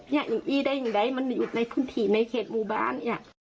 นี่ก็ได้ยังไงมันอจ่อยอยู่ในพื้นที่ในเขตหมู่บ้าน